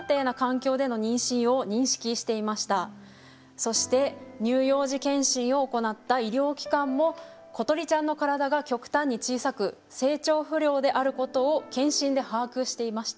そして乳幼児健診を行った医療機関も詩梨ちゃんの体が極端に小さく成長不良であることを健診で把握していました。